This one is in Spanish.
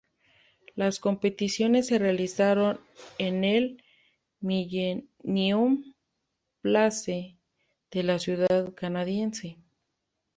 Las competiciones se realizaron en el Millennium Place de la ciudad canadiense.